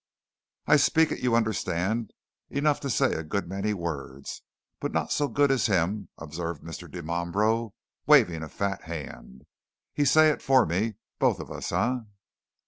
"I speak it you understand enough to say a good many words but not so good as him," observed Mr. Dimambro, waving a fat hand. "He say it for me for both of us, eh?"